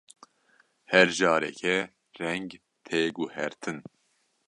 Her carekê, reng tê guhertin.